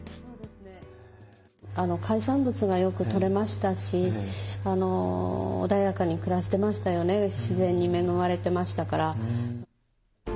海産物がよく取れましたし、穏やかに暮らしてましたよね、自然に恵まれてましたから。